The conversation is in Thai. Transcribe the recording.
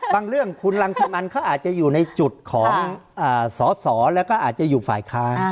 เรื่องคุณรังสิมันเขาอาจจะอยู่ในจุดของสอสอแล้วก็อาจจะอยู่ฝ่ายค้าน